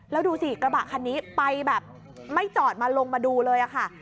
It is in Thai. แล้วดูสิกระบะคันนี้ไปแบบไม่จอดมาลงมาดูเลยค่ะ